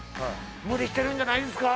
無理してるんじゃないんすか？